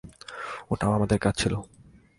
ওটাই আমাদের কাজ ছিল।